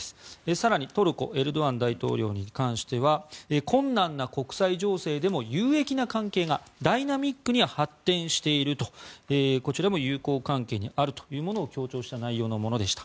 更に、トルコのエルドアン大統領に関しては困難な国際情勢でも有益な関係がダイナミックに発展しているとこちらも友好関係にあるというものを強調した内容のものでした。